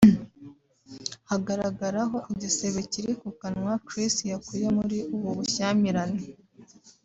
hagaragaraho igisebe kiri ku kananwa Chris yakuye muri ubu bushyamirane